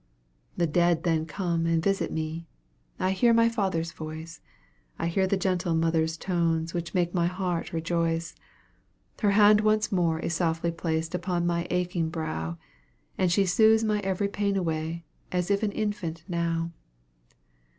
The dead then come and visit me: I hear my father's voice; I hear that gentle mother's tones, which makes my heart rejoice; Her hand once more is softly placed upon my aching brow, And she soothes my every pain away, as if an infant now.